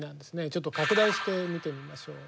ちょっと拡大して見てみましょう。